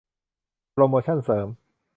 โปรโมชันเสริม